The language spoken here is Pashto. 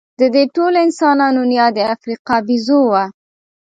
د دې ټولو انسانانو نیا د افریقا بیزو وه.